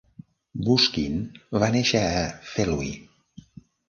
Busquin va néixer a Feluy.